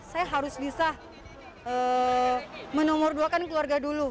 saya harus bisa menomor duakan keluarga dulu